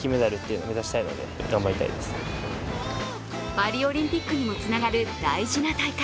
パリオリンピックにもつながる大事な大会。